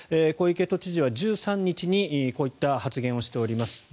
小池都知事は１３日にこういった発言をしております。